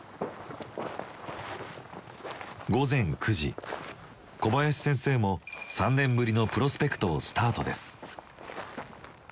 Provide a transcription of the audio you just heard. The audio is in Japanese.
午前９時小林先生も３年ぶりのプロスペクトをスタートです。